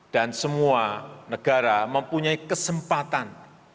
dan semua negara mempunyai kesempatan